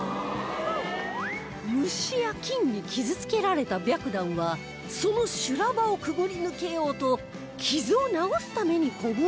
虫や菌に傷つけられた白檀はその修羅場をくぐり抜けようと傷を治すためにコブを形成